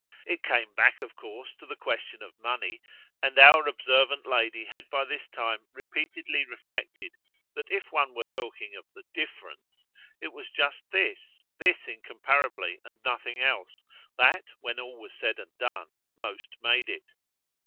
It came back of course to the question of money, and our observant lady had by this time repeatedly reflected that if one were talking of the "difference," it was just this, this incomparably and nothing else, that when all was said and done most made it.